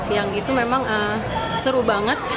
yang gitu memang seru banget